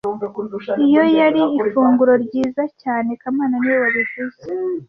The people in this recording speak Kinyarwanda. Iyo yari ifunguro ryiza cyane kamana niwe wabivuze